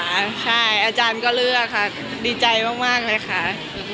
ใช่อาจารย์ก็เลือกค่ะดีใจมากเลยค่ะ